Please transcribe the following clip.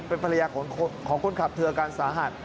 เป็นภรรยาของคนขับเธออาการสาหัส